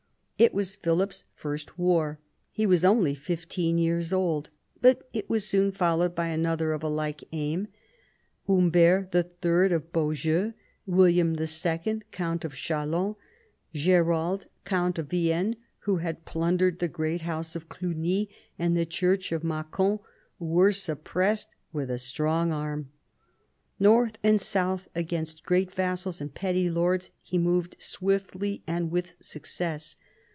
It was Philip's first war. He was only fifteen years old, but it was soon followed by another of a like aim. Humbert III. of Beaujeu, William II., count of Chalon, Gerald, count of Vienne, who had plundered the great house of Cluny and the church of Macon, were sup pressed with a strong arm. North and south, against great vassals and petty lords, he moved swiftly and with success.